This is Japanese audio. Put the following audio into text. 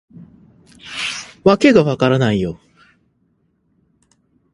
わけが分からないよ